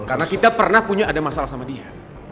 karena kita pernah punya ada masalah sama dia